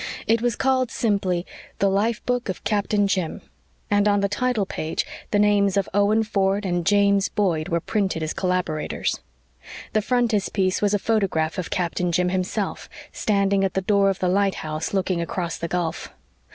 It was called simply The Life Book of Captain Jim, and on the title page the names of Owen Ford and James Boyd were printed as collaborators. The frontispiece was a photograph of Captain Jim himself, standing at the door of the lighthouse, looking across the gulf.